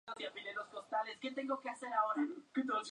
Louis Rams en la National Football League.